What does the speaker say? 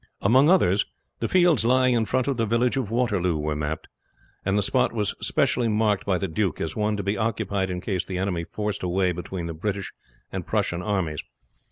Among others the fields lying in front of the village of Waterloo were mapped, and the spot was specially marked by the duke as one to be occupied in case the enemy forced a way between the British and Prussian armies.